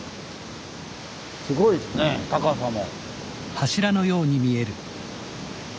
すごいですね高さも。